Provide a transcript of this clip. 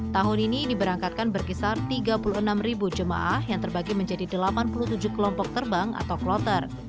tahun ini diberangkatkan berkisar tiga puluh enam jemaah yang terbagi menjadi delapan puluh tujuh kelompok terbang atau kloter